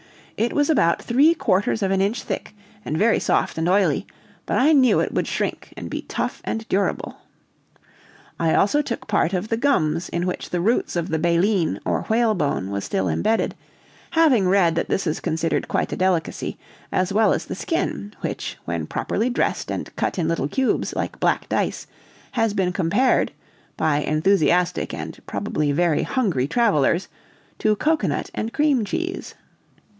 It was about three quarters of an inch thick, and very soft and oily but I knew it would shrink and be tough and durable. I also took a part of the gums in which the roots of the baleen or whalebone was still embedded, having read that this is considered quite a delicacy, as well as the skin, which, when properly dressed and cut in little cubes, like black dice, has been compared, by enthusiastic and probably very hungry travelers, to cocoanut and cream cheese.